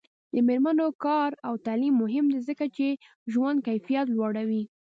د میرمنو کار او تعلیم مهم دی ځکه چې ژوند کیفیت لوړوي.